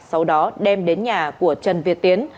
sau đó đem đến nhà của trần việt tiến